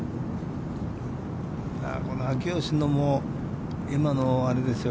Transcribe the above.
この秋吉の今のあれですよ。